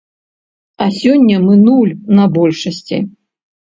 А сёння мы нуль на большасці.